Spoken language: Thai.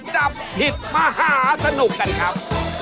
จับผิดมหาสนุกกันครับ